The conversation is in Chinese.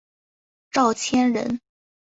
赵谦人。